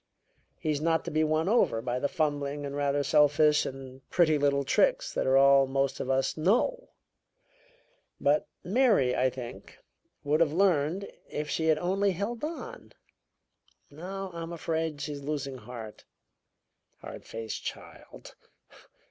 He's not to be won over by the fumbling and rather selfish and pretty little tricks that are all most of us know. But Mary, I think, would have learned if she had only held on. Now, I'm afraid, she's losing heart. Hard faced child!"